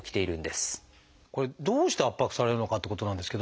これどうして圧迫されるのかってことなんですけどね。